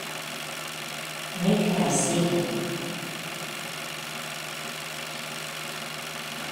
When can I see him?